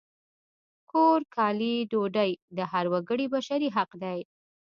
کور، کالي، ډوډۍ د هر وګړي بشري حق دی!